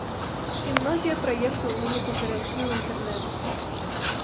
І многія праекты ў выніку перайшлі ў інтэрнэт.